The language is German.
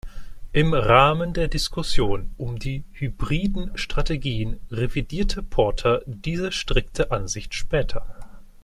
Im Rahmen der Diskussionen um die hybriden Strategien revidierte Porter diese strikte Ansicht später.